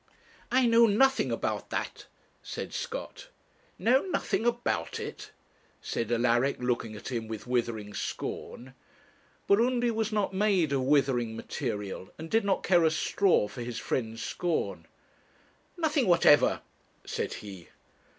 'I know nothing about that,' said Scott. 'Know nothing about it!' said Alaric, looking at him with withering scorn. But Undy was not made of withering material, and did not care a straw for his friend's scorn. 'Nothing whatever,' said he.